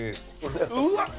うわっ！